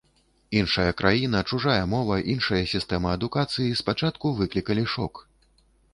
Іншая краіна, чужая мова, іншая сістэма адукацыі спачатку выклікалі шок.